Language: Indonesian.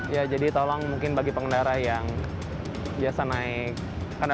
ya jadi tolong mungkin bagi pengendara yang biasa naik